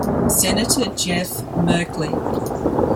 Senator Jeff Merkley.